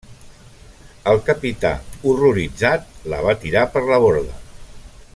El capità, horroritzat, la va tirar per la borda.